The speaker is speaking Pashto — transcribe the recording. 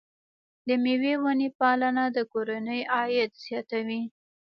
د مېوو ونې پالنه د کورنۍ عاید زیاتوي.